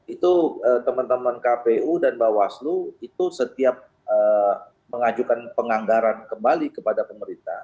itu teman teman kpu dan bawaslu itu setiap mengajukan penganggaran kembali kepada pemerintah